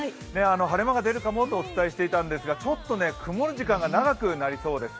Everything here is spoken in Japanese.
晴れ間が出るかもとお伝えしていたんですが、ちょっと曇り時間が長くなりそうです。